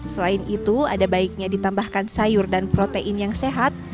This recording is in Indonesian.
selain itu ada baiknya ditambahkan sayur dan protein yang sehat